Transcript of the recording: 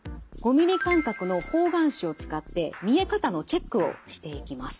５ｍｍ間隔の方眼紙を使って見え方のチェックをしてきます。